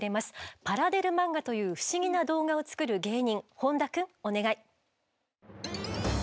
パラデル漫画という不思議な動画を作る芸人本多くんお願い。